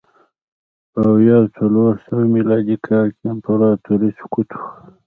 په اویا او څلور سوه میلادي کال کې د امپراتورۍ سقوط و